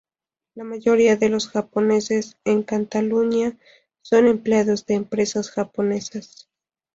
La mayoría de los japoneses en Cataluña son empleados de empresas japonesas.